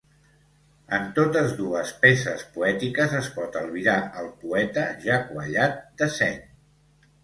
En totes dues peces poètiques es pot albirar el poeta ja quallat de seny.